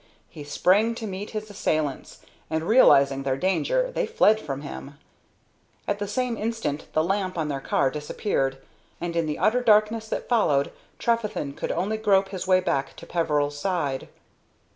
he sprang to meet his assailants, and, realizing their danger, they fled before him. At the same instant the lamp on their car disappeared, and in the utter darkness that followed Trefethen could only grope his way back to Peveril's side.